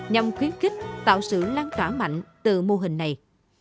nhằm khuyến khích tạo sự lan trỏa mạnh từ mô hình này